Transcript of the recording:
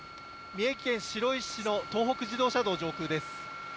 宮城県白石市の東北自動車道の上空です。